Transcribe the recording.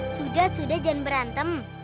sudah sudah jangan berantem